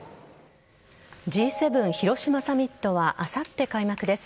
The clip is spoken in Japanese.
Ｇ７広島サミットはあさって開幕です。